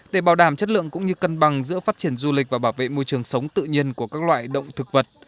để bảo đảm chất lượng cũng như cân bằng giữa phát triển du lịch và bảo vệ môi trường sống tự nhiên của các loại động thực vật